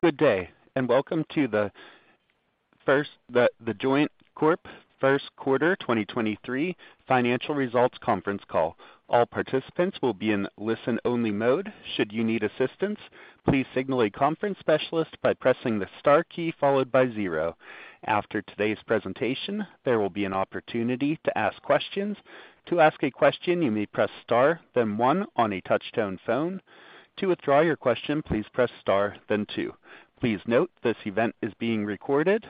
Good day, and welcome to The Joint Corp Q1 2023 Financial Results Conference Call. All participants will be in listen-only mode. Should you need assistance, please signal a conference specialist by pressing the star key followed by zero. After today's presentation, there will be an opportunity to ask questions. To ask a question, you may press star then one on a touch-tone phone. To withdraw your question, please press star then two. Please note this event is being recorded.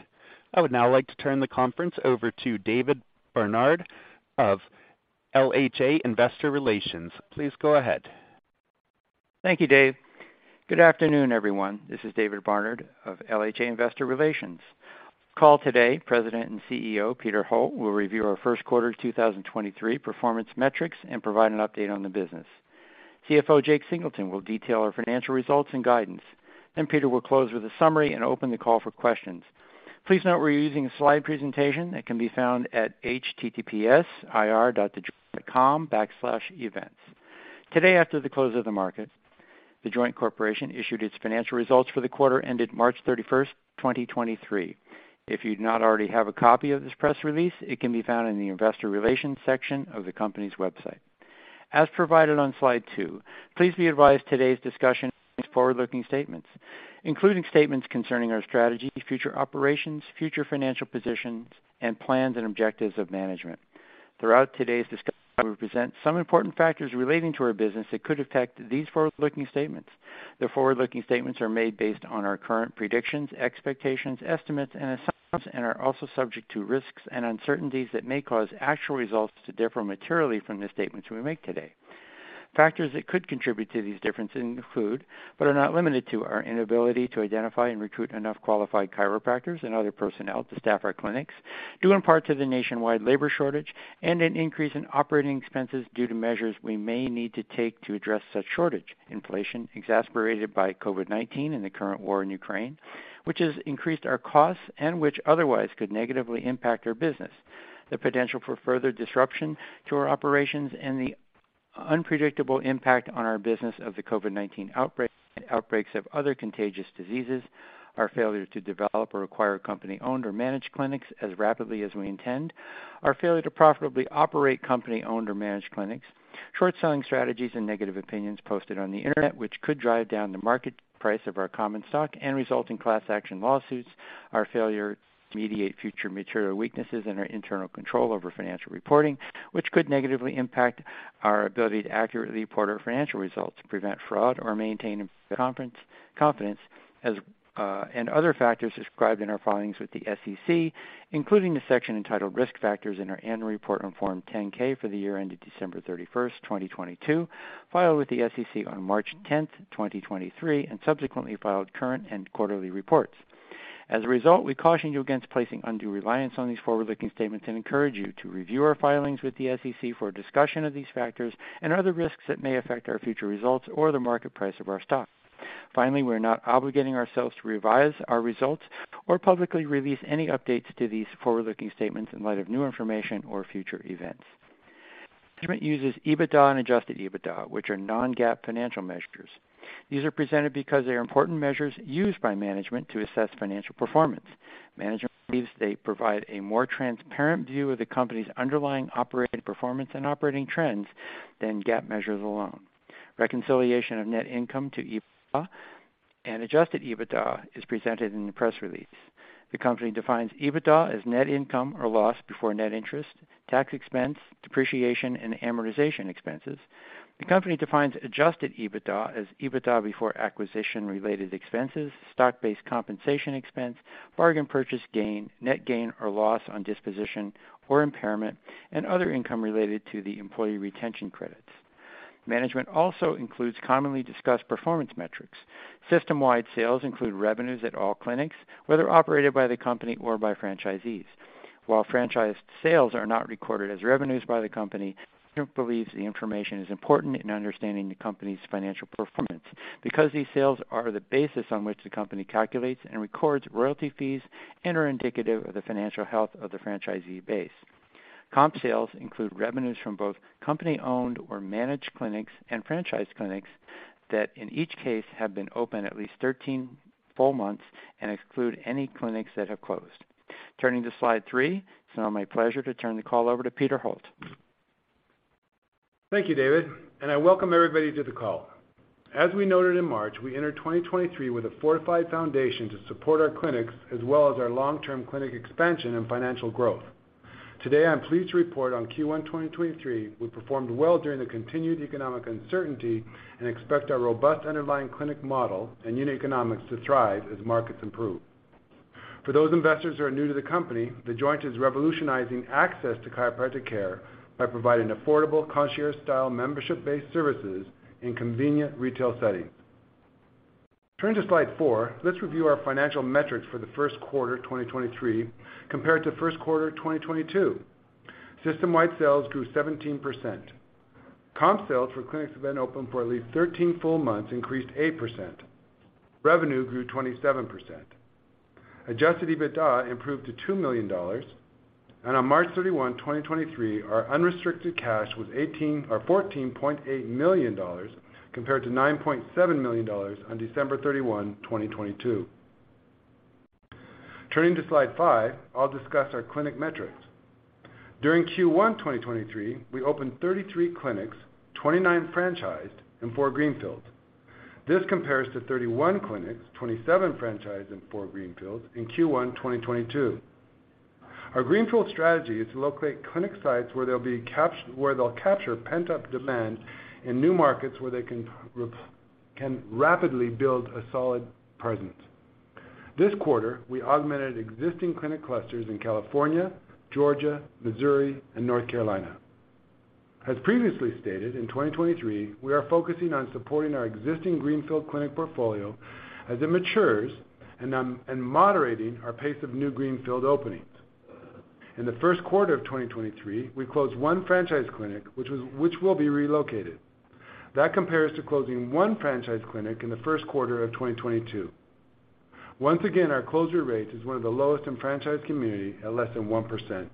I would now like to turn the conference over to David Barnard of LHA Investor Relations. Please go ahead. Thank you, Dave. Good afternoon, everyone. This is David Barnard of LHA Investor Relations. Call today, President and CEO Peter Holt will review our Q1 of 2023 performance metrics and provide an update on the business. CFO Jake Singleton will detail our financial results and guidance. Peter will close with a summary and open the call for questions. Please note we're using a slide presentation that can be found at https://ir.thejoint.com/events. Today, after the close of the market, The Joint Corporation issued its financial results for the quarter ended March 31st, 2023. If you do not already have a copy of this press release, it can be found in the investor relations section of the company's website. As provided on Slide 2, please be advised today's discussion includes forward-looking statements, including statements concerning our strategy, future operations, future financial positions, and plans and objectives of management. Throughout today's discussion, we present some important factors relating to our business that could affect these forward-looking statements. The forward-looking statements are made based on our current predictions, expectations, estimates, and assumptions and are also subject to risks and uncertainties that may cause actual results to differ materially from the statements we make today. Factors that could contribute to these differences include, but are not limited to, our inability to identify and recruit enough qualified chiropractors and other personnel to staff our clinics, due in part to the nationwide labor shortage and an increase in operating expenses due to measures we may need to take to address such shortage. Inflation, exacerbated by COVID-19 and the current war in Ukraine, which has increased our costs and which otherwise could negatively impact our business. The potential for further disruption to our operations and the unpredictable impact on our business of the COVID-19 outbreak and outbreaks of other contagious diseases. Our failure to develop or acquire company-owned or managed clinics as rapidly as we intend. Our failure to profitably operate company-owned or managed clinics. Short-selling strategies and negative opinions posted on the internet, which could drive down the market price of our common stock and result in class action lawsuits. Our failure to mediate future material weaknesses in our internal control over financial reporting, which could negatively impact our ability to accurately report our financial results, prevent fraud, or maintain confidence as and other factors described in our filings with the SEC, including the section entitled Risk Factors in our annual report on Form 10-K for the year ended December 31st, 2022, filed with the SEC on March 10th, 2023, and subsequently filed current and quarterly reports. As a result, we caution you against placing undue reliance on these forward-looking statements and encourage you to review our filings with the SEC for a discussion of these factors and other risks that may affect our future results or the market price of our stock. We're not obligating ourselves to revise our results or publicly release any updates to these forward-looking statements in light of new information or future events. Management uses EBITDA and Adjusted EBITDA, which are non-GAAP financial measures. These are presented because they are important measures used by management to assess financial performance. Management believes they provide a more transparent view of the company's underlying operating performance and operating trends than GAAP measures alone. Reconciliation of net income to EBITDA and Adjusted EBITDA is presented in the press release. The company defines EBITDA as net income or loss before net interest, tax expense, depreciation, and amortization expenses. The company defines Adjusted EBITDA as EBITDA before acquisition-related expenses, stock-based compensation expense, bargain purchase gain, net gain or loss on disposition or impairment, and other income related to the Employee Retention Credit. Management also includes commonly discussed performance metrics. System-wide sales include revenues at all clinics, whether operated by the company or by franchisees. While franchised sales are not recorded as revenues by the company, Joint believes the information is important in understanding the company's financial performance because these sales are the basis on which the company calculates and records royalty fees and are indicative of the financial health of the franchisee base. Comp sales include revenues from both company-owned or managed clinics and franchise clinics that in each case have been open at least 13 full months and exclude any clinics that have closed. Turning to Slide 3. It's now my pleasure to turn the call over to Peter Holt. Thank you, David. I welcome everybody to the call. As we noted in March, we entered 2023 with a fortified foundation to support our clinics as well as our long-term clinic expansion and financial growth. Today, I'm pleased to report on Q1 2023. We performed well during the continued economic uncertainty and expect our robust underlying clinic model and unit economics to thrive as markets improve. For those investors who are new to the company, The Joint is revolutionizing access to chiropractic care by providing affordable, concierge-style, membership-based services in convenient retail settings. Turning to slide four, let's review our financial metrics for the Q1 2023, compared to Q1 2022. system-wide sales grew 17%. comp sales for clinics have been open for at least 13 full months, increased 8%. Revenue grew 27%. Adjusted EBITDA improved to $2 million. On March 31, 2023, our unrestricted cash was $14.8 million compared to $9.7 million on December 31, 2022. Turning to Slide 5, I'll discuss our clinic metrics. During Q1 2023, we opened 33 clinics, 29 franchised and 4 greenfields. This compares to 31 clinics, 27 franchised and 4 greenfields in Q1 2022. Our greenfield strategy is to locate clinic sites where they'll capture pent-up demand in new markets where they can rapidly build a solid presence. This quarter, we augmented existing clinic clusters in California, Georgia, Missouri, and North Carolina. As previously stated, in 2023, we are focusing on supporting our existing greenfield clinic portfolio as it matures and moderating our pace of new greenfield openings. In the Q1 of 2023, we closed one franchise clinic, which will be relocated. That compares to closing one franchise clinic in the Q1 of 2022. Once again, our closure rate is one of the lowest in franchise community at less than 1%.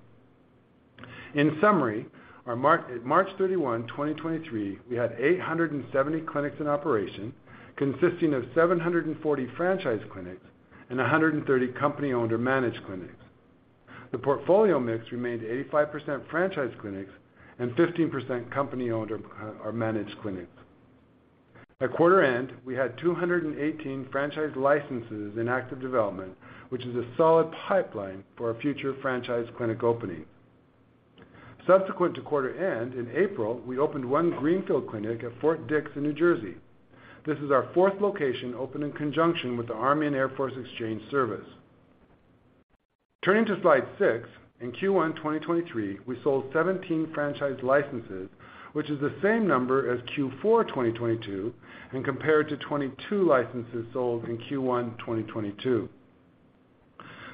In summary, March 31, 2023, we had 870 clinics in operation, consisting of 740 franchise clinics and 130 company-owned or managed clinics. The portfolio mix remained 85% franchise clinics and 15% company-owned or managed clinics. At quarter end, we had 218 franchise licenses in active development, which is a solid pipeline for our future franchise clinic openings. Subsequent to quarter end, in April, we opened one greenfield clinic at Fort Dix in New Jersey. This is our fourth location opened in conjunction with the Army and Air Force Exchange Service. Turning to Slide 6, in Q1 2023, we sold 17 franchise licenses, which is the same number as Q4 2022 and compared to 22 licenses sold in Q1 2022.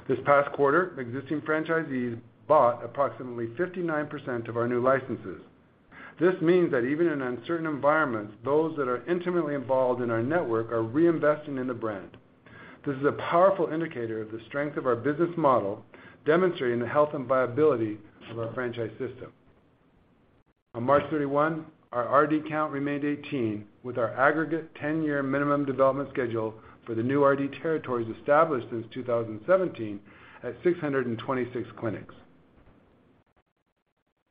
This past quarter, existing franchisees bought approximately 59% of our new licenses. This means that even in uncertain environments, those that are intimately involved in our network are reinvesting in the brand. This is a powerful indicator of the strength of our business model, demonstrating the health and viability of our franchise system. On March 31, our RD count remained 18, with our aggregate 10-year minimum development schedule for the new RD territories established since 2017 at 626 clinics.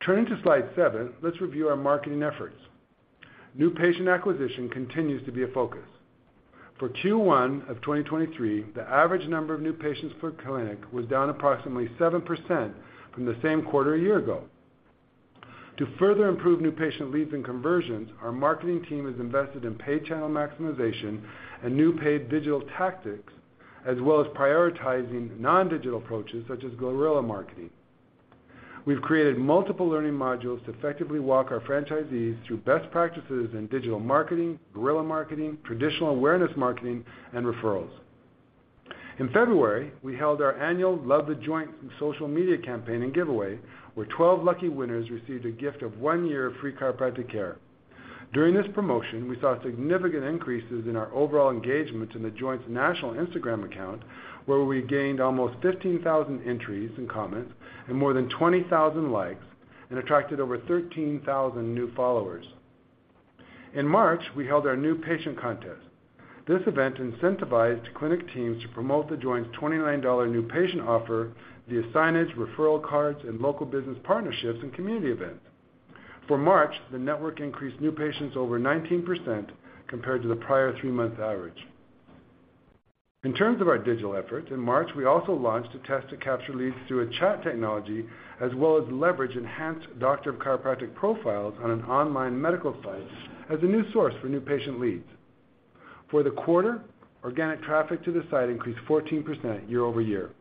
Turning to Slide 7, let's review our marketing efforts. New patient acquisition continues to be a focus. For Q1 of 2023, the average number of new patients per clinic was down approximately 7% from the same quarter a year ago. To further improve new patient leads and conversions, our marketing team has invested in pay channel maximization and new paid digital tactics, as well as prioritizing non-digital approaches such as guerrilla marketing. We've created multiple learning modules to effectively walk our franchisees through best practices in digital marketing, guerrilla marketing, traditional awareness marketing, and referrals. In February, we held our annual Love The Joint social media campaign and giveaway, where 12 lucky winners received a gift of one year of free chiropractic care. During this promotion, we saw significant increases in our overall engagement in The Joint's national Instagram account, where we gained almost 15,000 entries and comments and more than 20,000 likes and attracted over 13,000 new followers. In March, we held our new patient contest. This event incentivized clinic teams to promote The Joint's $29 new patient offer via signage, referral cards, and local business partnerships and community events. For March, the network increased new patients over 19% compared to the prior three-month average. In terms of our digital efforts, in March, we also launched a test to capture leads through a chat technology, as well as leverage enhanced doctor of chiropractic profiles on an online medical site as a new source for new patient leads. For the quarter, organic traffic to the site increased 14% year-over-year.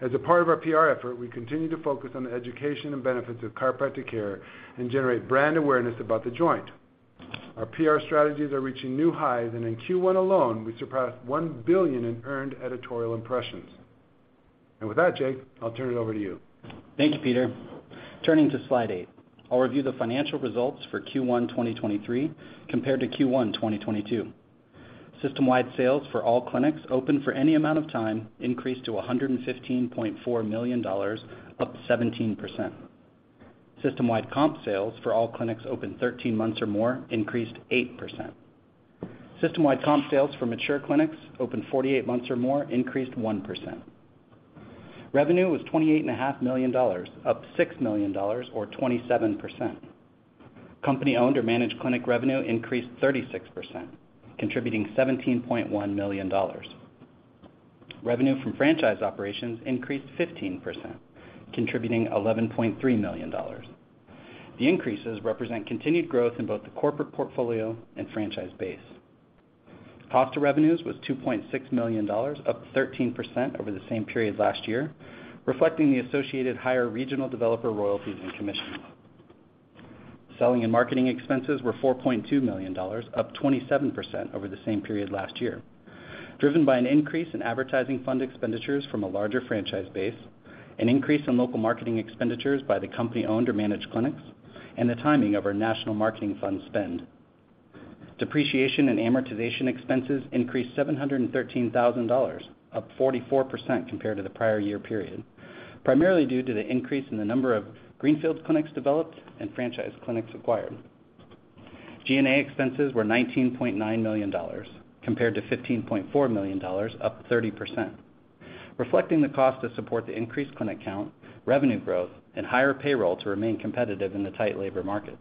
As a part of our PR effort, we continue to focus on the education and benefits of chiropractic care and generate brand awareness about The Joint. Our PR strategies are reaching new highs, in Q1 alone, we surpassed 1 billion in earned editorial impressions. With that, Jake, I'll turn it over to you. Thank you, Peter. Turning to Slide 8. I'll review the financial results for Q1 2023 compared to Q1 2022. System-wide sales for all clinics open for any amount of time increased to $115.4 million, up 17%. System-wide comp sales for all clinics open 13 months or more increased 8%. System-wide comp sales for mature clinics open 48 months or more increased 1%. Revenue was $28.5 million, up $6 million or 27%. Company-owned or managed clinic revenue increased 36%, contributing $17.1 million. Revenue from franchise operations increased 15%, contributing $11.3 million. The increases represent continued growth in both the corporate portfolio and franchise base. Cost of revenues was $2.6 million, up 13% over the same period last year, reflecting the associated higher regional developer royalties and commissions. Selling and marketing expenses were $4.2 million, up 27% over the same period last year, driven by an increase in advertising fund expenditures from a larger franchise base, an increase in local marketing expenditures by the company-owned or managed clinics, and the timing of our national marketing fund spend. Depreciation and amortization expenses increased $713,000, up 44% compared to the prior year period, primarily due to the increase in the number of greenfield clinics developed and franchise clinics acquired. G&A expenses were $19.9 million compared to $15.4 million, up 30%, reflecting the cost to support the increased clinic count, revenue growth and higher payroll to remain competitive in the tight labor market.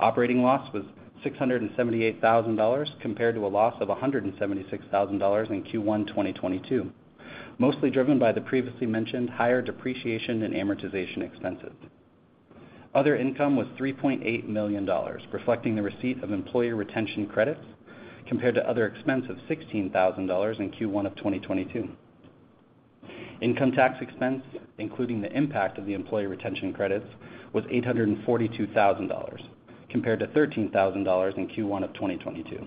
Operating loss was $678,000, compared to a loss of $176,000 in Q1 2022, mostly driven by the previously mentioned higher depreciation and amortization expenses. Other income was $3.8 million, reflecting the receipt of Employee Retention Credit, compared to other expense of $16,000 in Q1 of 2022. Income tax expense, including the impact of the Employee Retention Credit, was $842,000, compared to $13,000 in Q1 of 2022.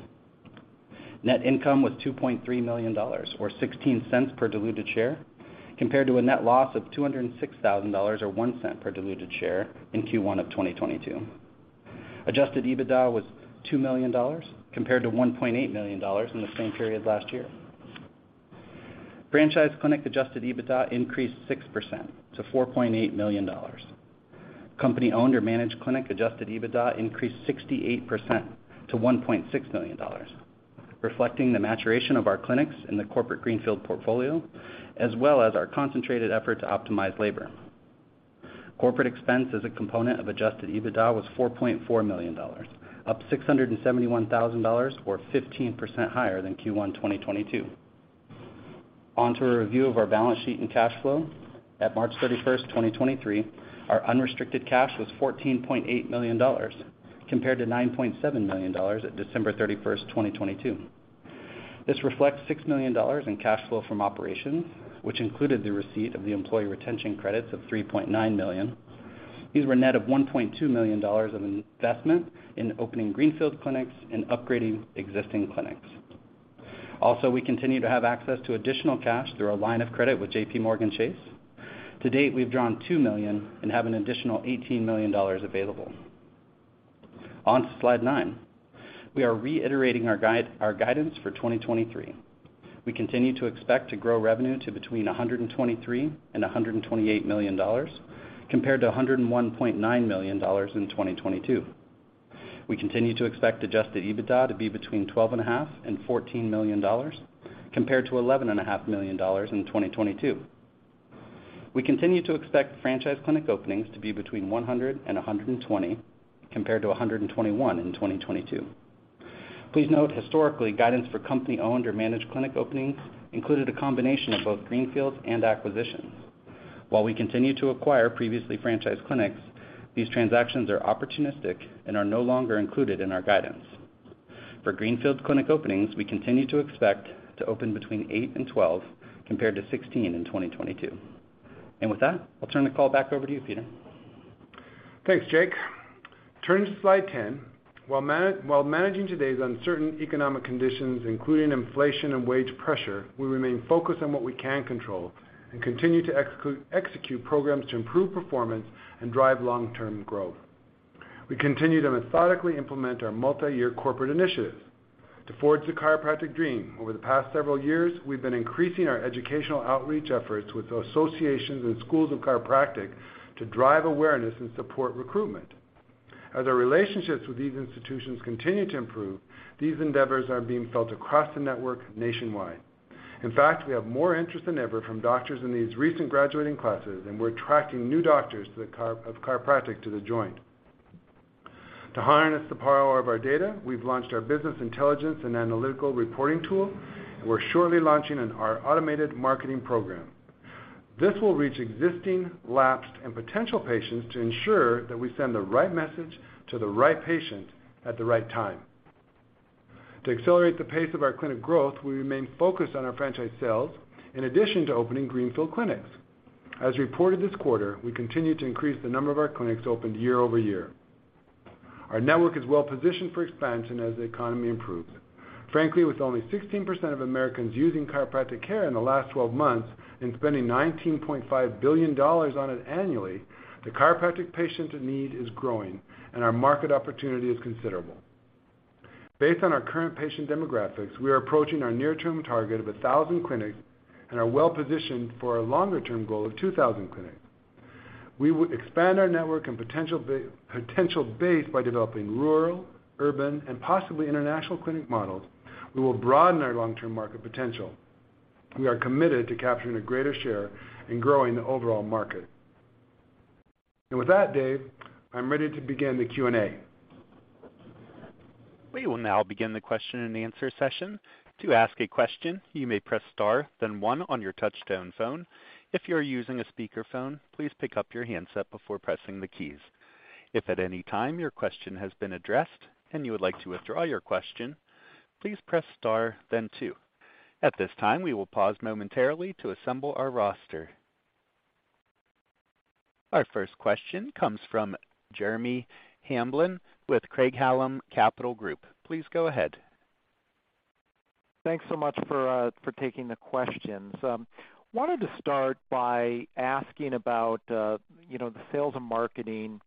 Net income was $2.3 million or $0.16 per diluted share, compared to a net loss of $206,000 or $0.01 per diluted share in Q1 of 2022. Adjusted EBITDA was $2 million, compared to $1.8 million in the same period last year. Franchise clinic Adjusted EBITDA increased 6% to $4.8 million. Company owned or managed clinic Adjusted EBITDA increased 68% to $1.6 million, reflecting the maturation of our clinics in the corporate greenfield portfolio, as well as our concentrated effort to optimize labor. Corporate expense as a component of Adjusted EBITDA was $4.4 million, up $671,000 or 15% higher than Q1 2022. On to a review of our balance sheet and cash flow. At March 31, 2023, our unrestricted cash was $14.8 million, compared to $9.7 million at December 31, 2022. This reflects $6 million in cash flow from operations, which included the receipt of the Employee Retention Credit of $3.9 million. These were net of $1.2 million of investment in opening greenfield clinics and upgrading existing clinics. We continue to have access to additional cash through our line of credit with JPMorgan Chase. To date, we've drawn $2 million and have an additional $18 million available. On to slide 9. We are reiterating our guidance for 2023. We continue to expect to grow revenue to between $123 million and $128 million, compared to $101.9 million in 2022. We continue to expect Adjusted EBITDA to be between twelve and a half million dollars and $14 million, compared to eleven and a half million dollars in 2022. We continue to expect franchise clinic openings to be between 100 and 120, compared to 121 in 2022. Please note, historically, guidance for company owned or managed clinic openings included a combination of both greenfields and acquisitions. While we continue to acquire previously franchised clinics, these transactions are opportunistic and are no longer included in our guidance. For greenfield clinic openings, we continue to expect to open between 8 and 12, compared to 16 in 2022. With that, I'll turn the call back over to you, Peter. Thanks, Jake. Turning to Slide 10. While managing today's uncertain economic conditions, including inflation and wage pressure, we remain focused on what we can control and continue to execute programs to improve performance and drive long-term growth. We continue to methodically implement our multi-year corporate initiatives. To forge the chiropractic dream, over the past several years, we've been increasing our educational outreach efforts with associations and schools of chiropractic to drive awareness and support recruitment. As our relationships with these institutions continue to improve, these endeavors are being felt across the network nationwide. In fact, we have more interest than ever from doctors in these recent graduating classes, and we're attracting new doctors to the of chiropractic to The Joint. To harness the power of our data, we've launched our business intelligence and analytical reporting tool, and we're shortly launching our automated marketing program. This will reach existing, lapsed and potential patients to ensure that we send the right message to the right patient at the right time. To accelerate the pace of our clinic growth, we remain focused on our franchise sales in addition to opening greenfield clinics. As reported this quarter, we continue to increase the number of our clinics opened year-over-year. Our network is well positioned for expansion as the economy improves. Frankly, with only 16% of Americans using chiropractic care in the last 12 months and spending $19.5 billion on it annually, the chiropractic patient need is growing and our market opportunity is considerable. Based on our current patient demographics, we are approaching our near-term target of 1,000 clinics and are well positioned for our longer-term goal of 2,000 clinics. We will expand our network and potential base by developing rural, urban and possibly international clinic models that will broaden our long-term market potential. We are committed to capturing a greater share in growing the overall market. With that, Dave, I'm ready to begin the Q&A. We will now begin the question and answer session. To ask a question, you may press star then one on your touchtone phone. If you are using a speakerphone, please pick up your handset before pressing the keys. If at any time your question has been addressed and you would like to withdraw your question, please press star then two. At this time, we will pause momentarily to assemble our roster. Our first question comes from Jeremy Hamblin with Craig-Hallum Capital Group. Please go ahead. Thanks so much for taking the questions. Wanted to start by asking about, you know, the sales and marketing,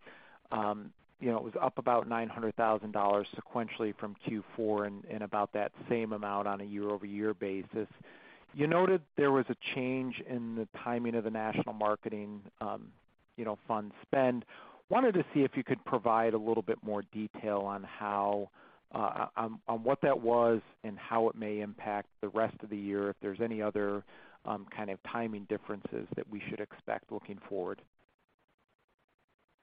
you know, it was up about $900,000 sequentially from Q4 and about that same amount on a year-over-year basis. You noted there was a change in the timing of the national marketing, you know, fund spend. Wanted to see if you could provide a little bit more detail on how, on what that was and how it may impact the rest of the year, if there's any other kind of timing differences that we should expect looking forward.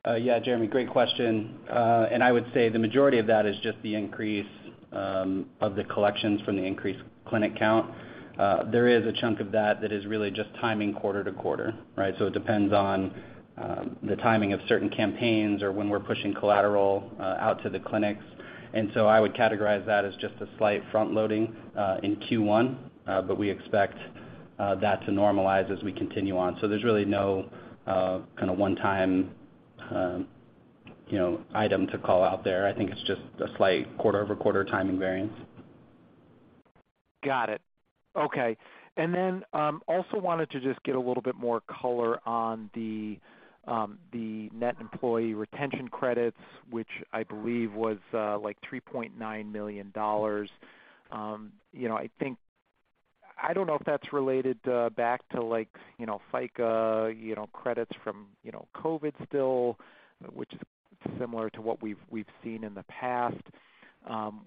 Yeah, Jeremy, great question. I would say the majority of that is just the increase of the collections from the increased clinic count. There is a chunk of that that is really just timing quarter-to-quarter, right? It depends on the timing of certain campaigns or when we're pushing collateral out to the clinics. I would categorize that as just a slight front-loading in Q1, but we expect that to normalize as we continue on. There's really no kind of one-time, you know, item to call out there. I think it's just a slight quarter-over-quarter timing variance. Got it. Okay. Then, also wanted to just get a little bit more color on the net Employee Retention Credit, which I believe was like $3.9 million. You know, I don't know if that's related back to like, you know, FICA, you know, credits from, you know, COVID still, which is similar to what we've seen in the past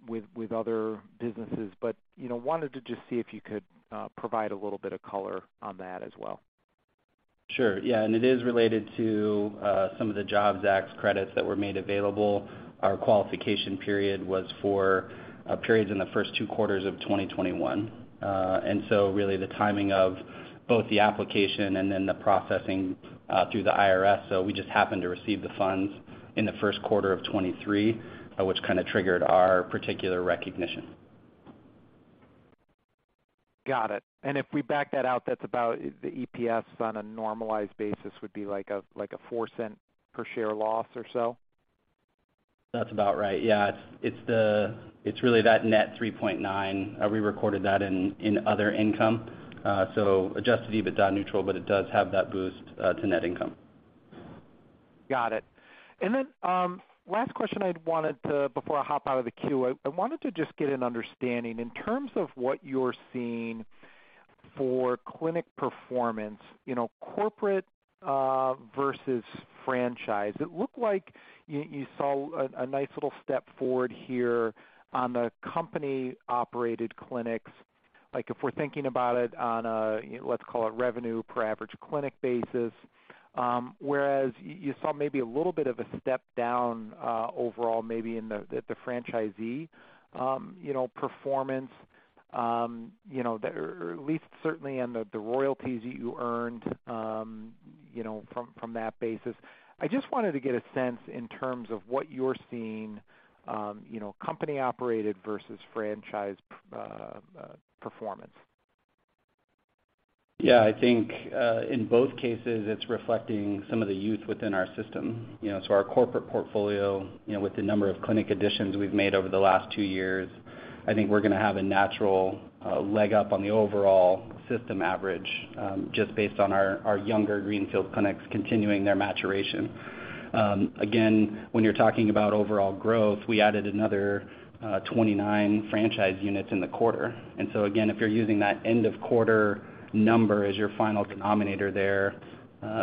with other businesses. You know, wanted to just see if you could provide a little bit of color on that as well. Sure. Yeah. It is related to some of the JOBS Act credits that were made available. Our qualification period was for periods in the first 2 quarters of 2021. Really the timing of both the application and then the processing through the IRS. We just happened to receive the funds in the Q1 of 2023, which kind of triggered our particular recognition. Got it. If we back that out, that's about the EPS on a normalized basis would be like a 4 cent per share loss or so? That's about right. Yeah. It's really that net $3.9. We recorded that in other income. Adjusted EBITDA neutral, but it does have that boost, to net income. Got it. Last question I'd wanted to, before I hop out of the queue, I wanted to just get an understanding in terms of what you're seeing for clinic performance, you know, corporate versus franchise. It looked like you saw a nice little step forward here on the company-operated clinics, like if we're thinking about it on a, you know, let's call it revenue per average clinic basis, whereas you saw maybe a little bit of a step down overall, maybe in the franchisee performance, or at least certainly on the royalties that you earned from that basis. I just wanted to get a sense in terms of what you're seeing, you know, company-operated versus franchise performance. Yeah. I think in both cases, it's reflecting some of the youth within our system, you know. Our corporate portfolio, you know, with the number of clinic additions we've made over the last two years, I think we're gonna have a natural leg up on the overall system average, just based on our younger greenfield clinics continuing their maturation. Again, when you're talking about overall growth, we added another 29 franchise units in the quarter. Again, if you're using that end of quarter number as your final denominator there,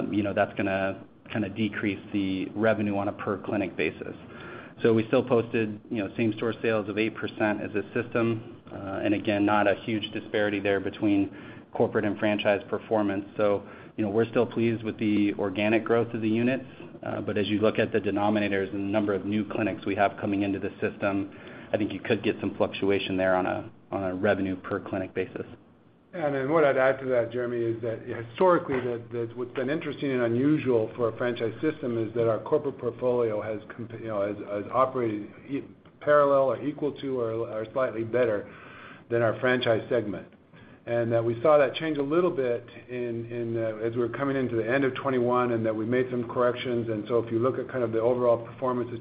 you know, that's gonna kinda decrease the revenue on a per clinic basis. We still posted, you know, same-store sales of 8% as a system, and again, not a huge disparity there between corporate and franchise performance. you know, we're still pleased with the organic growth of the units, but as you look at the denominators and the number of new clinics we have coming into the system, I think you could get some fluctuation there on a revenue per clinic basis. What I'd add to that, Jeremy, is that historically, the what's been interesting and unusual for a franchise system is that our corporate portfolio has you know, has operated parallel or equal to or slightly better than our franchise segment. We saw that change a little bit in as we were coming into the end of 2021, we made some corrections. If you look at kind of the overall performance of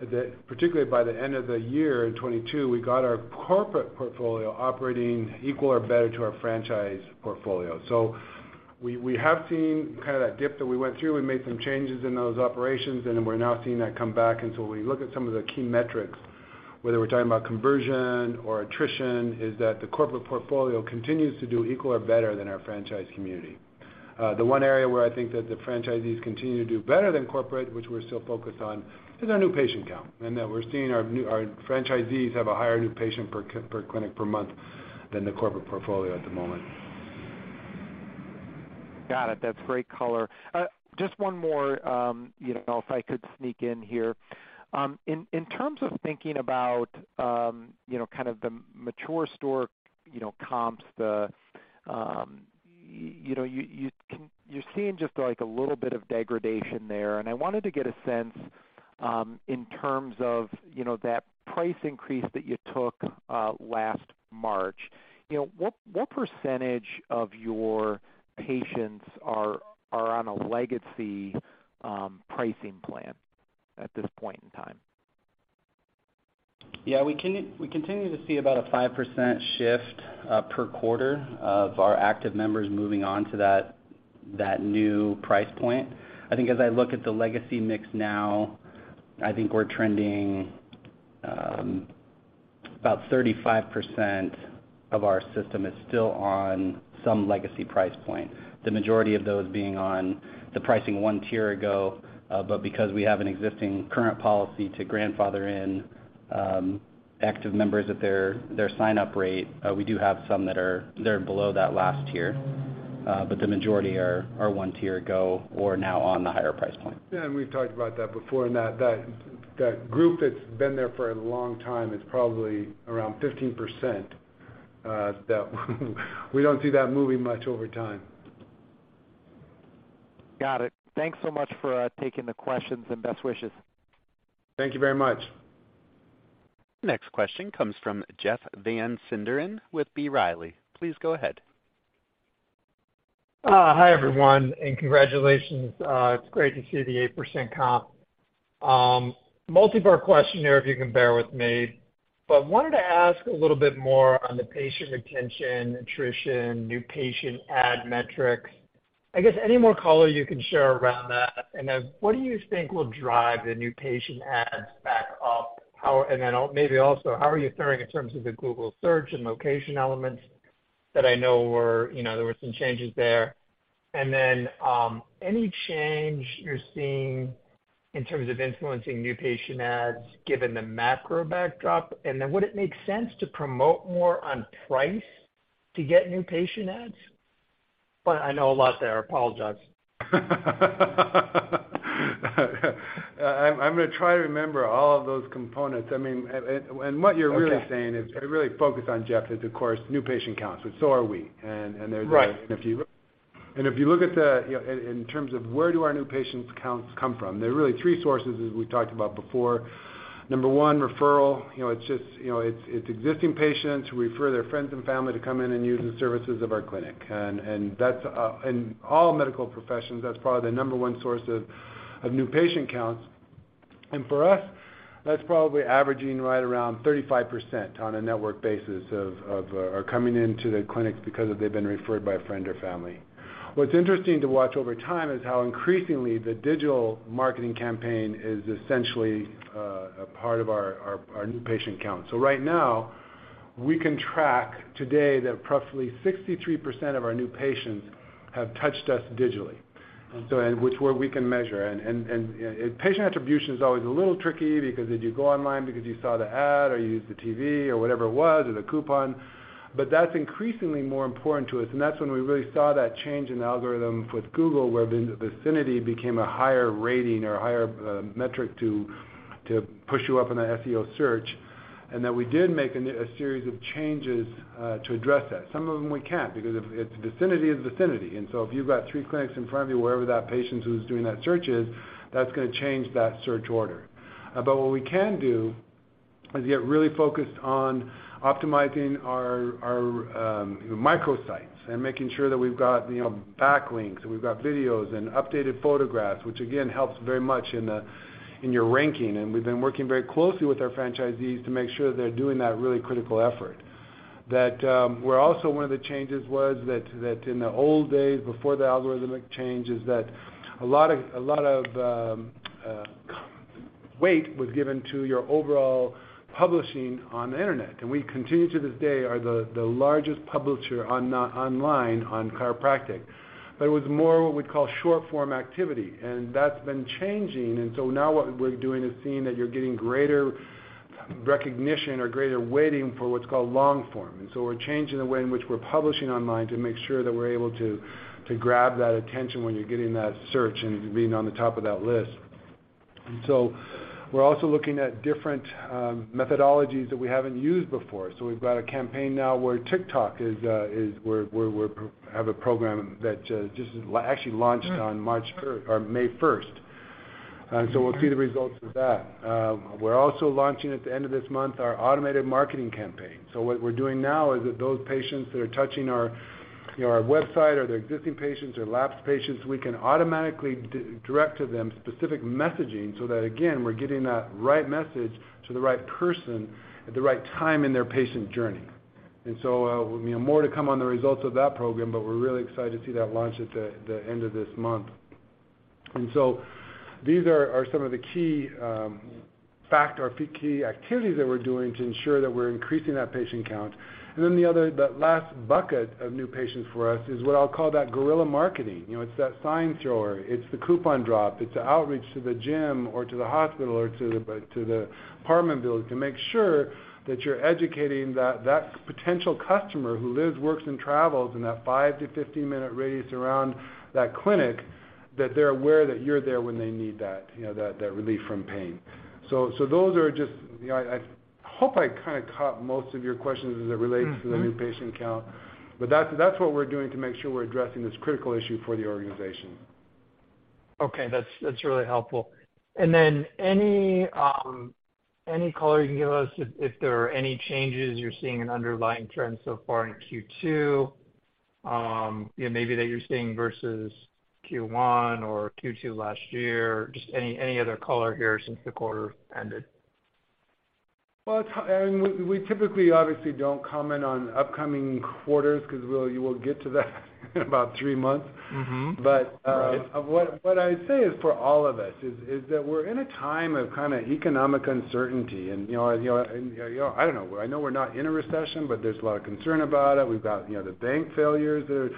2022, particularly by the end of the year in 2022, we got our corporate portfolio operating equal or better to our franchise portfolio. We have seen kind of that dip that we went through. We made some changes in those operations, then we're now seeing that come back. When you look at some of the key metrics, whether we're talking about conversion or attrition, is that the corporate portfolio continues to do equal or better than our franchise community. The one area where I think that the franchisees continue to do better than corporate, which we're still focused on, is our new patient count. We're seeing our franchisees have a higher new patient per clinic per month than the corporate portfolio at the moment. Got it. That's great color. Just one more, you know, if I could sneak in here. In terms of thinking about, you know, kind of the mature store, you know, comps, the, you know, you're seeing just like a little bit of degradation there, and I wanted to get a sense, in terms of, you know, that price increase that you took, last March. You know, what % of your patients are on a legacy pricing plan? At this point in time. Yeah, we continue to see about a 5% shift per quarter of our active members moving on to that new price point. I think as I look at the legacy mix now, I think we're trending about 35% of our system is still on some legacy price point. The majority of those being on the pricing one tier ago, but because we have an existing current policy to grandfather in active members at their sign-up rate, we do have some that are below that last tier. The majority are one tier ago or now on the higher price point. Yeah, and we've talked about that before, and that group that's been there for a long time is probably around 15%, that we don't see that moving much over time. Got it. Thanks so much for taking the questions, and best wishes. Thank you very much. Next question comes from Jeff Van Sinderen with B. Riley. Please go ahead. Hi, everyone, and congratulations. It's great to see the 8% comp. Multi-part question here, if you can bear with me. Wanted to ask a little bit more on the patient retention, attrition, new patient ad metrics. I guess any more color you can share around that. What do you think will drive the new patient ads back up? Maybe also, how are you faring in terms of the Google Search and location elements that I know were, you know, there were some changes there. Any change you're seeing in terms of influencing new patient ads given the macro backdrop? Would it make sense to promote more on price to get new patient ads? I know a lot there. Apologize. I'm gonna try to remember all of those components. I mean, and what you're really saying is. Okay. -you're really focused on, Jeff, is, of course, new patient counts, and so are we. And. Right. If you look at the in terms of where do our new patients counts come from? There are really three sources, as we talked about before. Number one, referral. You know, it's just, you know, it's existing patients who refer their friends and family to come in and use the services of our clinic. That's in all medical professions, that's probably the Number 1 source of new patient counts. For us, that's probably averaging right around 35% on a network basis of are coming into the clinics because they've been referred by a friend or family. What's interesting to watch over time is how increasingly the digital marketing campaign is essentially a part of our new patient count. Right now, we can track today that roughly 63% of our new patients have touched us digitally. Okay. And which, where we can measure. And, patient attribution is always a little tricky because did you go online because you saw the ad, or you used the TV or whatever it was, or the coupon. That's increasingly more important to us, and that's when we really saw that change in algorithm with Google, where the vicinity became a higher rating or a higher metric to push you up in the SEO search, and that we did make a series of changes to address that. Some of them we can't, because if it's vicinity, it's vicinity. If you've got three clinics in front of you, wherever that patient who's doing that search is, that's gonna change that search order. What we can do is get really focused on optimizing our, you know, microsites and making sure that we've got, you know, backlinks, and we've got videos and updated photographs, which again, helps very much in your ranking. We've been working very closely with our franchisees to make sure they're doing that really critical effort. That, where also one of the changes was that in the old days, before the algorithmic changes, that a lot of weight was given to your overall publishing on the Internet. We continue to this day are the largest publisher on online on chiropractic. It was more what we call short-form activity, and that's been changing. Now what we're doing is seeing that you're getting greater recognition or greater waiting for what's called long-form. We're changing the way in which we're publishing online to make sure that we're able to grab that attention when you're getting that search and being on the top of that list. We're also looking at different methodologies that we haven't used before. We've got a campaign now where TikTok is where we have a program that actually launched on May 1st. We'll see the results of that. We're also launching at the end of this month our automated marketing campaign. What we're doing now is that those patients that are touching our, you know, our website or they're existing patients or lapsed patients, we can automatically direct to them specific messaging so that, again, we're getting that right message to the right person at the right time in their patient journey. You know, more to come on the results of that program, but we're really excited to see that launch at the end of this month. These are some of the key activities that we're doing to ensure that we're increasing that patient count. The other, that last bucket of new patients for us is what I'll call that guerrilla marketing. You know, it's that sign thrower, it's the coupon drop, it's the outreach to the gym or to the hospital or to the apartment building to make sure that you're educating that potential customer who lives, works, and travels in that 5-15 minute radius around that clinic, that they're aware that you're there when they need that, you know, that relief from pain. Those are just, you know, I hope I kinda caught most of your questions as it relates to the new patient count. Mm-hmm. That's what we're doing to make sure we're addressing this critical issue for the organization. Okay, that's really helpful. Then any color you can give us if there are any changes you're seeing in underlying trends so far in Q2? Maybe that you're seeing versus Q1 or Q2 last year. Just any other color here since the quarter ended. Well, we typically obviously don't comment on upcoming quarters 'cause you will get to that in about three months. Mm-hmm. But, uh- Right... what I'd say is for all of us is that we're in a time of kinda economic uncertainty, and you know, I don't know, I know we're not in a recession, but there's a lot of concern about it. We've got, you know, the bank failures that are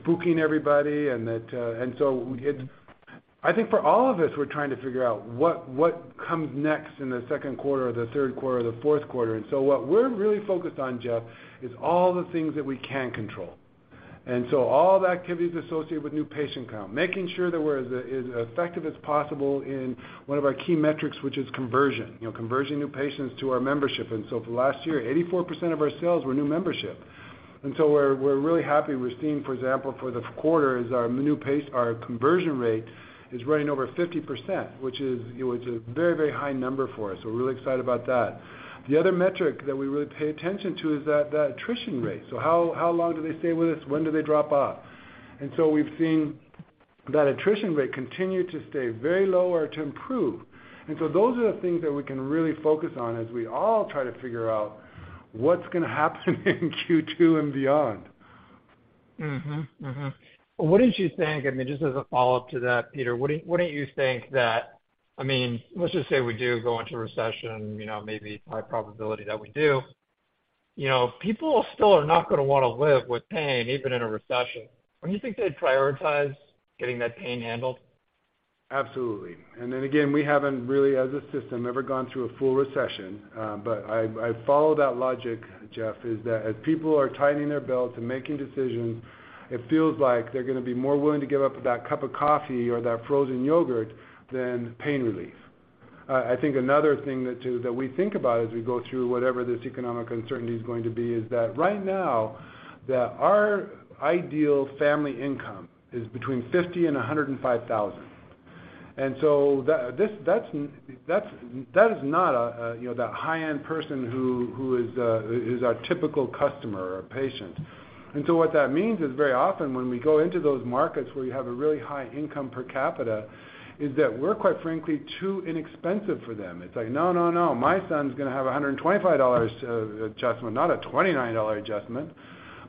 spooking everybody and that. I think for all of us, we're trying to figure out what comes next in the Q2 or the Q3 or the Q4. What we're really focused on, Jeff, is all the things that we can control. All the activities associated with new patient count, making sure that we're as effective as possible in one of our key metrics, which is conversion. You know, converting new patients to our membership. For the last year, 84% of our sales were new membership. We're really happy. We're seeing, for example, for the quarter is our new pace, our conversion rate is running over 50%, which is, you know, it's a very, very high number for us. We're really excited about that. The other metric that we really pay attention to is that attrition rate. How long do they stay with us? When do they drop off? We've seen that attrition rate continue to stay very low or to improve. Those are the things that we can really focus on as we all try to figure out what's gonna happen in Q2 and beyond. Mm-hmm. Mm-hmm. I mean, just as a follow-up to that, Peter, what don't you think that, I mean, let's just say we do go into recession, you know, maybe high probability that we do. You know, people still are not gonna wanna live with pain even in a recession. Don't you think they'd prioritize getting that pain handled? Absolutely. Then again, we haven't really, as a system, ever gone through a full recession. I follow that logic, Jeff, is that as people are tightening their belts and making decisions, it feels like they're gonna be more willing to give up that cup of coffee or that frozen yogurt than pain relief. I think another thing that too, that we think about as we go through whatever this economic uncertainty is going to be, is that right now, that our ideal family income is between $50,000 and $105,000. So that's, that is not a, you know, that high-end person who is our typical customer or patient. What that means is very often when we go into those markets where you have a really high income per capita, is that we're quite frankly too inexpensive for them. It's like, "No, no. My son's gonna have a $125 to adjustment, not a $29 adjustment."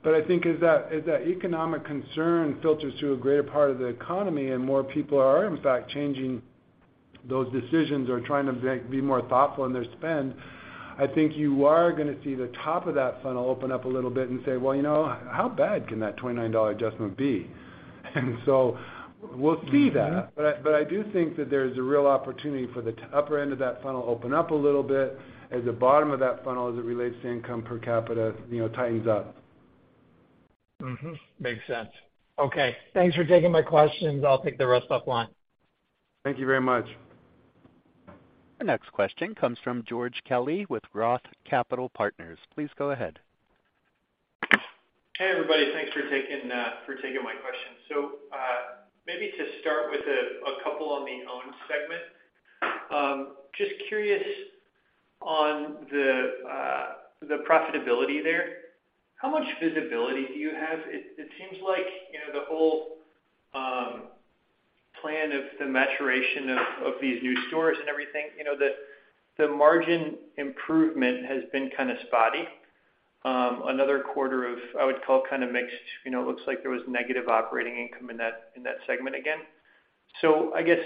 I think as that, as that economic concern filters through a greater part of the economy and more people are in fact changing those decisions or trying to be more thoughtful in their spend, I think you are gonna see the top of that funnel open up a little bit and say, "Well, you know, how bad can that $29 adjustment be?" We'll see that. I do think that there's a real opportunity for the upper end of that funnel open up a little bit as the bottom of that funnel as it relates to income per capita, you know, tightens up. Mm-hmm. Makes sense. Okay, thanks for taking my questions. I'll take the rest offline. Thank you very much. The next question comes from George Kelly with Roth Capital Partners. Please go ahead. Hey, everybody. Thanks for taking my question. Maybe to start with a couple on the owned segment. Just curious on the profitability there. How much visibility do you have? It seems like, you know, the whole plan of the maturation of these new stores and everything, you know, the margin improvement has been kind of spotty. Another quarter of, I would call kind of mixed. You know, it looks like there was negative operating income in that segment again. I guess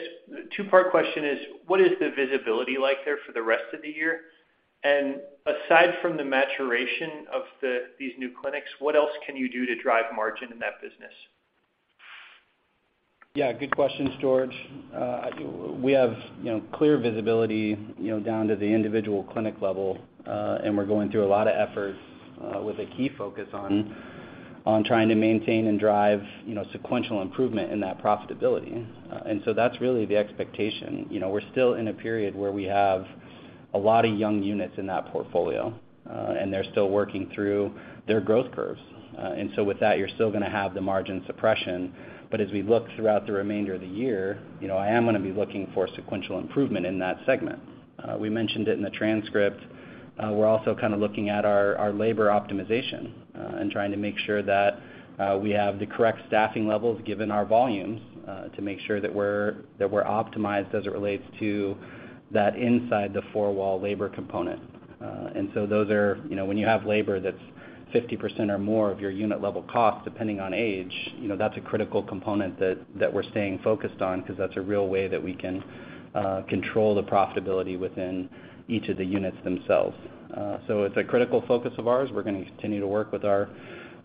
two-part question is: What is the visibility like there for the rest of the year? And aside from the maturation of these new clinics, what else can you do to drive margin in that business? Good question, George. We have, you know, clear visibility, you know, down to the individual clinic level, and we're going through a lot of efforts, with a key focus on trying to maintain and drive, you know, sequential improvement in that profitability. That's really the expectation. You know, we're still in a period where we have a lot of young units in that portfolio, and they're still working through their growth curves. With that, you're still gonna have the margin suppression. As we look throughout the remainder of the year, you know, I am gonna be looking for sequential improvement in that segment. We mentioned it in the transcript. We're also kind of looking at our labor optimization, and trying to make sure that we have the correct staffing levels given our volumes, to make sure that we're, that we're optimized as it relates to that inside the four-wall labor component. Those are... You know, when you have labor that's 50% or more of your unit level cost, depending on age, you know, that's a critical component that we're staying focused on because that's a real way that we can control the profitability within each of the units themselves. It's a critical focus of ours. We're gonna continue to work with our,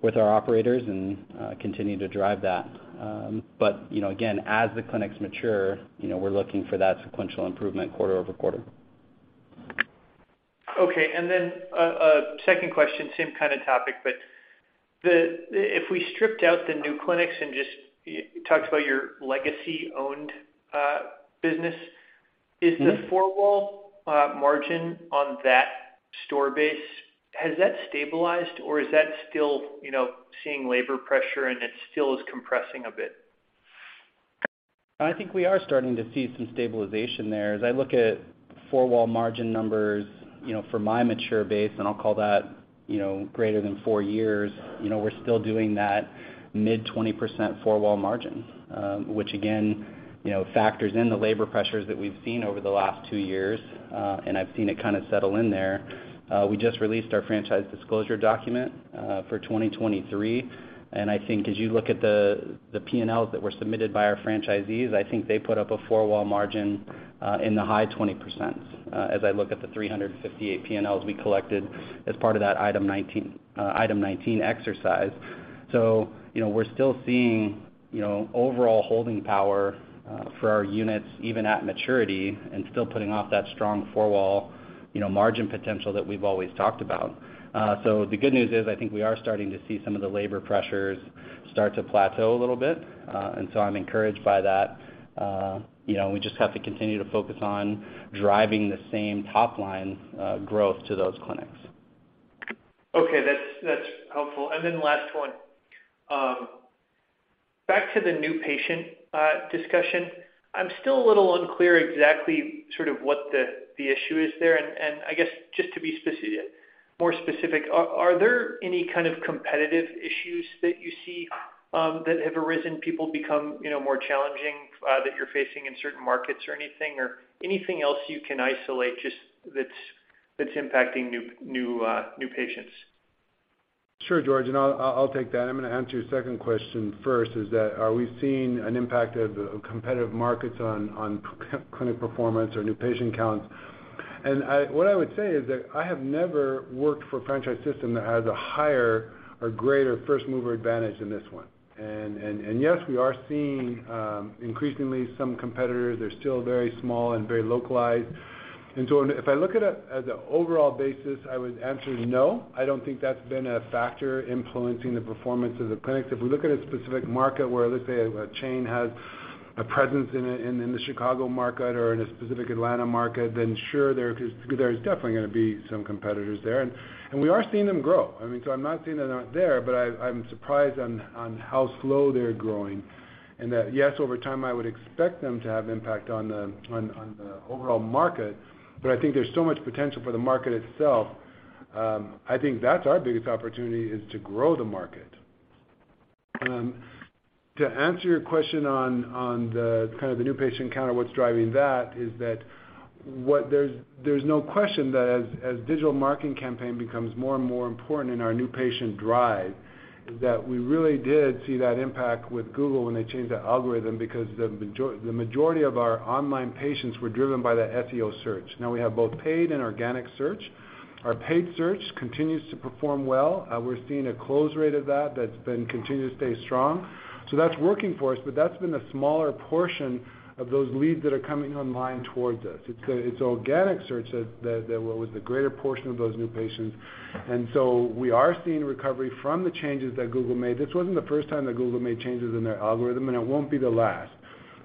with our operators and continue to drive that. You know, again, as the clinics mature, you know, we're looking for that sequential improvement quarter-over-quarter. Okay. A second question, same kind of topic. If we stripped out the new clinics and just, you talked about your legacy-owned business. Mm-hmm. Is the four-wall margin on that store base, has that stabilized or is that still, you know, seeing labor pressure and it still is compressing a bit? I think we are starting to see some stabilization there. As I look at four-wall margin numbers, you know, for my mature base, and I'll call that, you know, greater than 4 years, you know, we're still doing that mid 20% four-wall margin, which again, you know, factors in the labor pressures that we've seen over the last 2 years, and I've seen it kind of settle in there. We just released our Franchise Disclosure Document for 2023. I think as you look at the P&Ls that were submitted by our franchisees, I think they put up a four-wall margin in the high 20%, as I look at the 358 P&Ls we collected as part of that Item 19 exercise. You know, we're still seeing, you know, overall holding power, for our units, even at maturity, and still putting off that strong four-wall, you know, margin potential that we've always talked about. The good news is, I think we are starting to see some of the labor pressures start to plateau a little bit. I'm encouraged by that. You know, we just have to continue to focus on driving the same top line, growth to those clinics. Okay, that's helpful. Last one. Back to the new patient discussion. I'm still a little unclear exactly sort of what the issue is there. I guess just to be more specific, are there any kind of competitive issues that you see that have arisen, people become, you know, more challenging that you're facing in certain markets or anything? Anything else you can isolate just that's impacting new new patients? Sure, George, I'll take that. I'm gonna answer your second question first, is that are we seeing an impact of competitive markets on clinic performance or new patient counts? What I would say is that I have never worked for a franchise system that has a higher or greater first-mover advantage than this one. Yes, we are seeing increasingly some competitors. They're still very small and very localized. If I look at it at the overall basis, I would answer no. I don't think that's been a factor influencing the performance of the clinics. If we look at a specific market where, let's say, a chain has a presence in the Chicago market or in a specific Atlanta market, sure, there's definitely gonna be some competitors there. We are seeing them grow. I mean, I'm not saying they're not there, but I'm surprised on how slow they're growing. That, yes, over time, I would expect them to have impact on the overall market. I think there's so much potential for the market itself, I think that's our biggest opportunity is to grow the market. To answer your question on the kind of the new patient count or what's driving that is that there's no question that as digital marketing campaign becomes more and more important in our new patient drive, is that we really did see that impact with Google when they changed that algorithm because the majority of our online patients were driven by that SEO search. Now we have both paid and organic search. Our paid search continues to perform well. we're seeing a close rate of that's been continuing to stay strong. That's working for us, but that's been a smaller portion of those leads that are coming online towards us. It's organic search that was the greater portion of those new patients. We are seeing recovery from the changes that Google made. This wasn't the first time that Google made changes in their algorithm, and it won't be the last.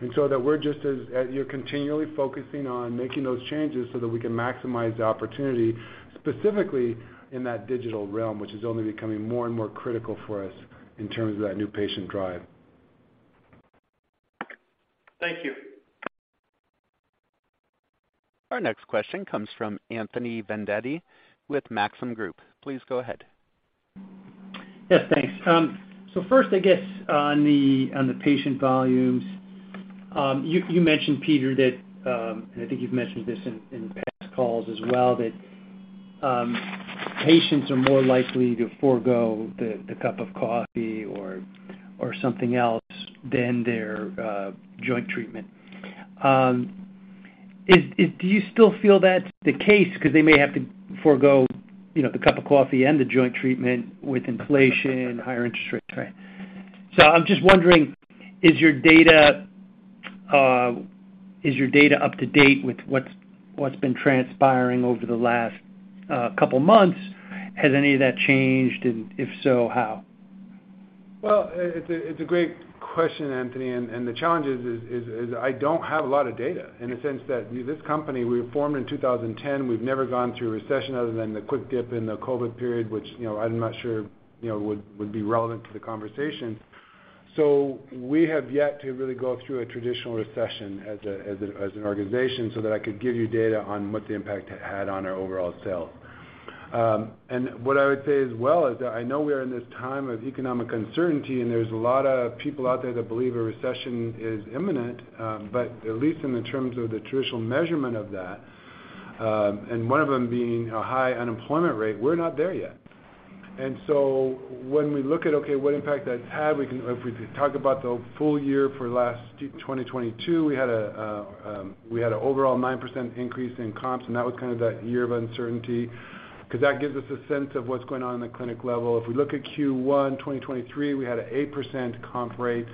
That we're just as you're continually focusing on making those changes so that we can maximize the opportunity specifically in that digital realm, which is only becoming more and more critical for us in terms of that new patient drive. Thank you. Our next question comes from Anthony Vendetti with Maxim Group. Please go ahead. Yes, thanks. First, I guess on the patient volumes, you mentioned, Peter, that, and I think you've mentioned this in past calls as well, that patients are more likely to forego the cup of coffee or something else than their joint treatment. Do you still feel that's the case? They may have to forego, you know, the cup of coffee and the joint treatment with inflation and higher interest rates, right? I'm just wondering, is your data up to date with what's been transpiring over the last couple months? Has any of that changed? If so, how? It's a great question, Anthony, and the challenge is I don't have a lot of data in the sense that this company, we were formed in 2010. We've never gone through a recession other than the quick dip in the COVID period, which, you know, I'm not sure, you know, would be relevant to the conversation. We have yet to really go through a traditional recession as an organization so that I could give you data on what the impact had on our overall sales. What I would say as well is that I know we are in this time of economic uncertainty, and there's a lot of people out there that believe a recession is imminent. But at least in the terms of the traditional measurement of that, one of them being a high unemployment rate, we're not there yet. When we look at, okay, what impact that's had, if we talk about the full year for last 2022, we had an overall 9% increase in comps, and that was kind of that year of uncertainty 'cause that gives us a sense of what's going on in the clinic level. If we look at Q1 2023, we had an 8% comp rate,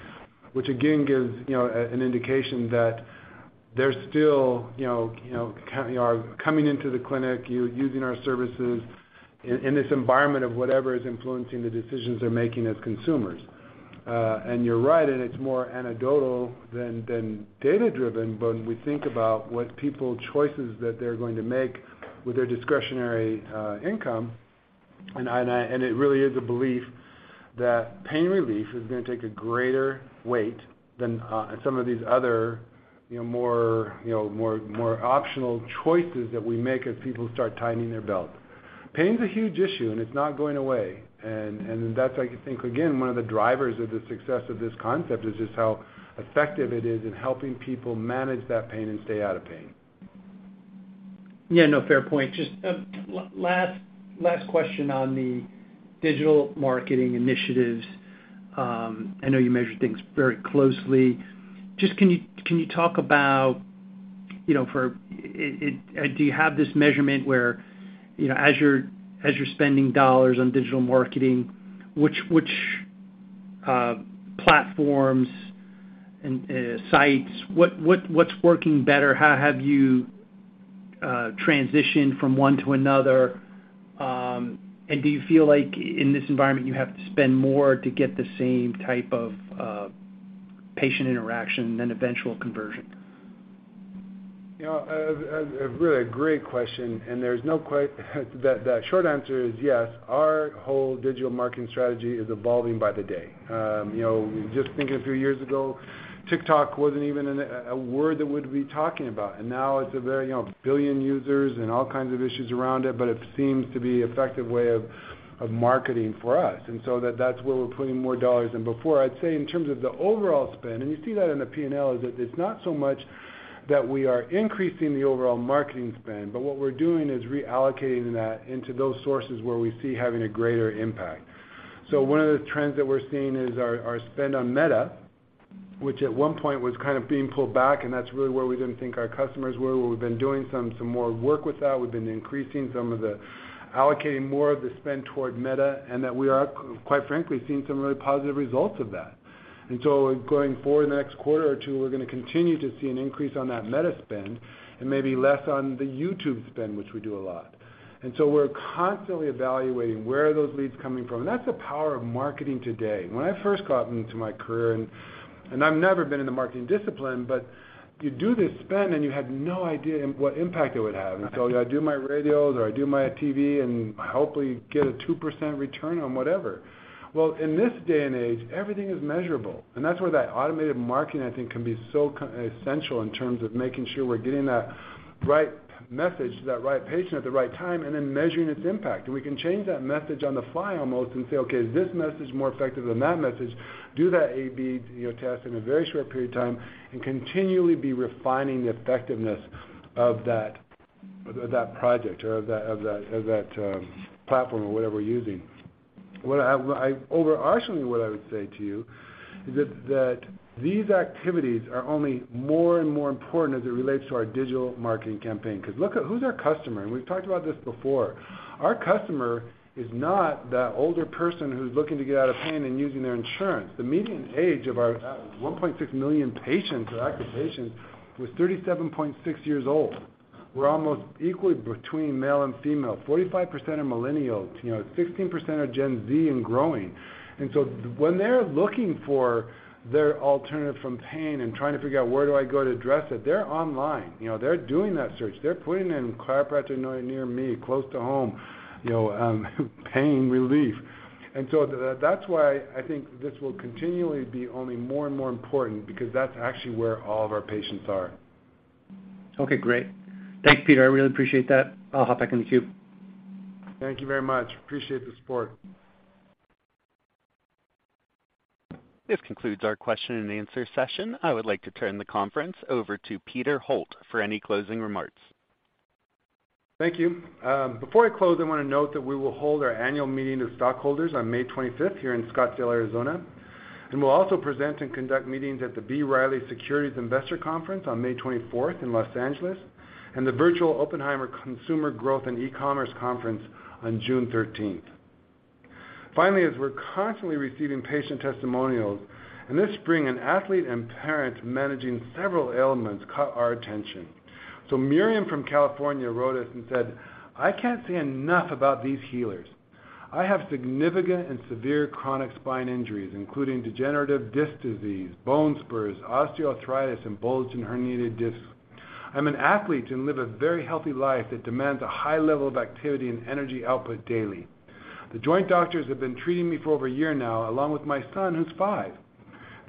which again gives, you know, an indication that they're still coming into the clinic, using our services in this environment of whatever is influencing the decisions they're making as consumers. You're right, and it's more anecdotal than data-driven when we think about what people choices that they're going to make with their discretionary income. I, and it really is a belief that pain relief is gonna take a greater weight than some of these other, you know, more optional choices that we make as people start tightening their belt. Pain's a huge issue, and it's not going away. That's, I think, again, one of the drivers of the success of this concept, is just how effective it is in helping people manage that pain and stay out of pain. Yeah, no, fair point. Just last question on the digital marketing initiatives. I know you measure things very closely. Just can you talk about, you know, Do you have this measurement where, you know, as you're spending dollars on digital marketing, which platforms and sites, what's working better? How have you transitioned from one to another? Do you feel like in this environment you have to spend more to get the same type of patient interaction than eventual conversion? You know, a really great question. There's no the short answer is yes. Our whole digital marketing strategy is evolving by the day. You know, just think a few years ago, TikTok wasn't even a word that we'd be talking about. Now it's a very, you know, 1 billion users and all kinds of issues around it, but it seems to be effective way of marketing for us. That's where we're putting more dollars in. Before, I'd say in terms of the overall spend, you see that in the P&L, is that it's not so much that we are increasing the overall marketing spend, but what we're doing is reallocating that into those sources where we see having a greater impact. One of the trends that we're seeing is our spend on Meta, which at one point was kind of being pulled back, and that's really where we didn't think our customers were. We've been doing some more work with that. We've been increasing allocating more of the spend toward Meta, and that we are, quite frankly, seeing some really positive results of that. Going forward the next quarter or two, we're gonna continue to see an increase on that Meta spend and maybe less on the YouTube spend, which we do a lot. We're constantly evaluating where are those leads coming from. That's the power of marketing today. When I first got into my career, I've never been in the marketing discipline, but you do this spend, you had no idea what impact it would have. I do my radios or I do my TV and hopefully get a 2% return on whatever. Well, in this day and age, everything is measurable, that's where that automated marketing, I think, can be so essential in terms of making sure we're getting that right message to that right patient at the right time and then measuring its impact. We can change that message on the fly almost and say, "Okay, is this message more effective than that message?" Do that AB, you know, test in a very short period of time and continually be refining the effectiveness of that project or of that platform or whatever we're using. Overarchingly, what I would say to you is that these activities are only more and more important as it relates to our digital marketing campaign. 'Cause look at who's our customer, and we've talked about this before. Our customer is not that older person who's looking to get out of pain and using their insurance. The median age of our 1.6 million patients or active patients was 37.6 years old. We're almost equally between male and female. 45% are Millennials. You know, 16% are Gen Z and growing. When they're looking for their alternative from pain and trying to figure out, "Where do I go to address it?" They're online. You know, they're doing that search. They're putting in "chiropractor near me," close to home, you know, pain relief. That's why I think this will continually be only more and more important because that's actually where all of our patients are. Okay, great. Thanks, Peter. I really appreciate that. I'll hop back in the queue. Thank you very much. Appreciate the support. This concludes our question and answer session. I would like to turn the conference over to Peter Holt for any closing remarks. Thank you. Before I close, I want to note that we will hold our annual meeting of stockholders on May 25th here in Scottsdale, Arizona, and we'll also present and conduct meetings at the B. Riley Securities Investor Conference on May 24th in Los Angeles, and the Virtual Oppenheimer Consumer Growth and E-commerce Conference on June 13th. Finally, as we're constantly receiving patient testimonials, in this spring, an athlete and parent managing several ailments caught our attention. Miriam from California wrote us and said, "I can't say enough about these healers. I have significant and severe chronic spine injuries, including degenerative disc disease, bone spurs, osteoarthritis, and bulging herniated discs. I'm an athlete and live a very healthy life that demands a high level of activity and energy output daily. The Joint doctors have been treating me for over a year now, along with my son who's five.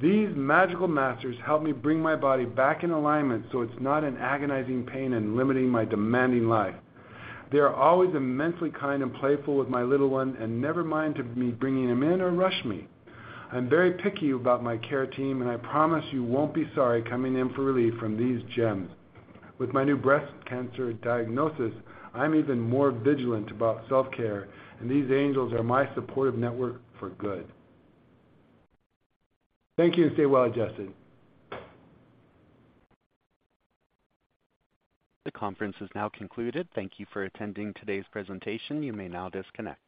These magical masters help me bring my body back in alignment so it's not in agonizing pain and limiting my demanding life. They are always immensely kind and playful with my little one and never mind of me bringing him in or rush me. I'm very picky about my care team, and I promise you won't be sorry coming in for relief from these gems. With my new breast cancer diagnosis, I'm even more vigilant about self-care, and these angels are my supportive network for good." Thank you, and stay well adjusted. The conference is now concluded. Thank you for attending today's presentation. You may now disconnect.